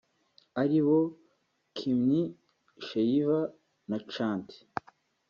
aribo; Kimy Sheiva na Chanty